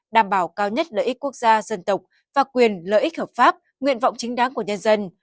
đảm bảo cao nhất lợi ích quốc gia dân tộc và quyền lợi ích hợp pháp nguyện vọng chính đáng của nhân dân